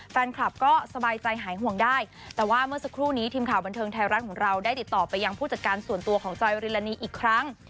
แฟนคลับก็สบายใจหายห่วงได้แต่ว่าเมื่อสักครู่นี้ทีมข่าวบันเทิงไทยรัฐของเราได้ติดต่อไปยังผู้จัดการส่วนตัวของจอยริลานีอีกครั้ง